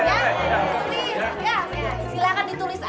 ya silahkan ditulis aja ya